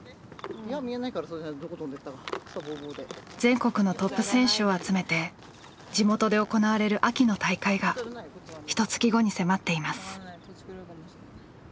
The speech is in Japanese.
全国のトップ選手を集めて地元で行われる秋の大会がひとつき後に迫っています。